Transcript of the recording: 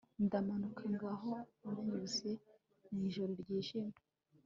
Ndamanuka ngaho nanyuze mwijoro ryijimye